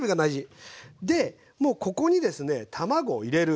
でもうここにですね卵を入れる。